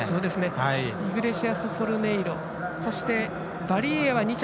イグレシアスフォルネイロそしてバリイェワ、２着。